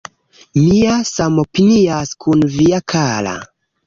Mia samopinias kun via kara